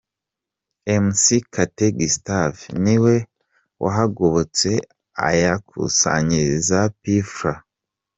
Mc Kate Gustave ni we wahagobotse ayakusanyiriza P Fla.